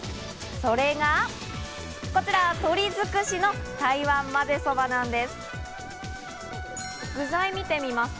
それがこちら、鶏づくしの台湾まぜそばなんです。